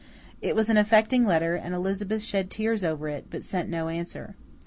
It was an affecting letter, and Elizabeth shed tears over it, but sent no answer.